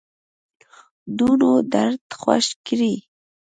دونو درد خوږ کړی